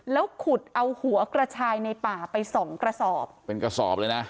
แล้วขุดเอาหัวกระชายในป่าไปสองกระสอบเป็นกระสอบเลยนะ